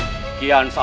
kekuatan yang mahadas